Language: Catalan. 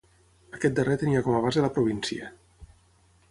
Aquest darrer tenia com a base la província.